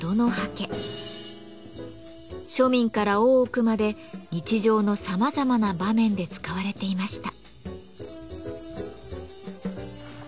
庶民から大奥まで日常のさまざまな場面で使われていました。